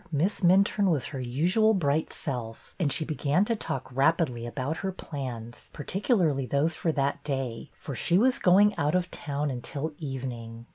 Miss Minturne was her usual bright self, and she began to talk rapidly about her plans, particularly those for that day, for she was going out of town until evening.